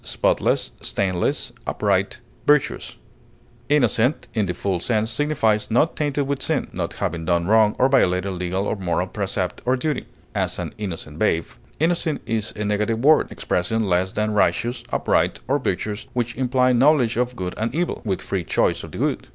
guileless, innoxious, sinless, Innocent, in the full sense, signifies not tainted with sin; not having done wrong or violated legal or moral precept or duty; as, an innocent babe. Innocent is a negative word, expressing less than righteous, upright, or virtuous, which imply knowledge of good and evil, with free choice of the good.